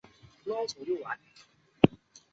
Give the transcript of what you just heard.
曾为成员。